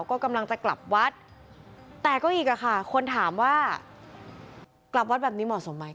ก็กำลังจะกลับวัดแต่ก็อีกอะค่ะคนถามว่ากลับวัดแบบนี้เหมาะสมไหม